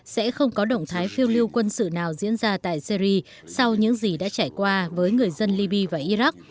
sẽ không có động thái phiêu lưu quân sự nào diễn ra tại syri sau những gì đã trải qua với người dân libya và iraq